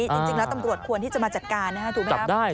จริงแล้วตำรวจควรที่จะมาจัดการนะครับถูกไหมครับ